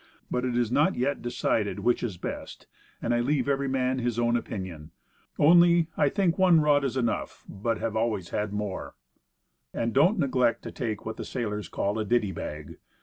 But it is not yet decided which is best, and I leave every man his own opinion. Only, I think one rod enough. And don't neglect to take what sailors call a "ditty bag."